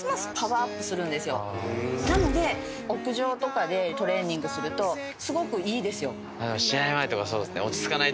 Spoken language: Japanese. なので屋上とかでトレーニングするとすごくいいですよ。